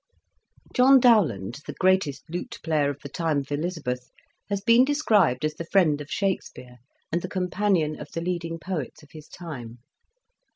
John Dowland, the greatest lute player of the time of Elizabeth, has been described as the friend of Shakespeare, and the companion of the leading poets of his time.